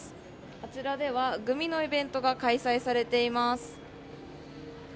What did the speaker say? あちらではグミのイベントが開催されています。